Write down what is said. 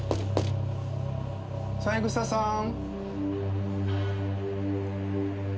三枝さーん。